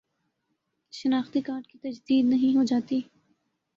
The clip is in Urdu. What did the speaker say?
شناختی کارڈ کی تجدید نہیں ہوجاتی